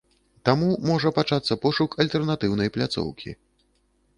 Таму можа пачацца пошук альтэрнатыўнай пляцоўкі.